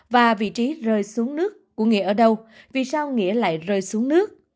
và vị trí rơi xuống nước của nghĩa ở đâu vì sao nghĩa lại rơi xuống nước